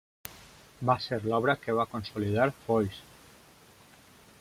Va ser l'obra que va consolidar Foix.